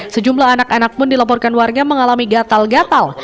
sejumlah anak anak pun dilaporkan warga mengalami gatal gatal